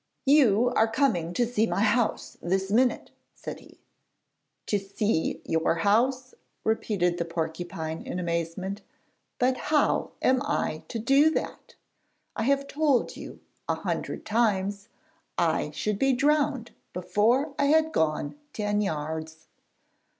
'You are coming to see my house this minute,' said he. 'To see your house?' repeated the porcupine in amazement; 'but how am I to do that? I have told you a hundred times I should be drowned before I had gone ten yards.'